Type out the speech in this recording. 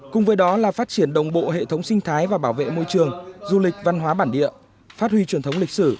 cùng với đó là phát triển đồng bộ hệ thống sinh thái và bảo vệ môi trường du lịch văn hóa bản địa phát huy truyền thống lịch sử